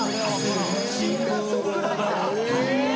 シンガーソングライター！？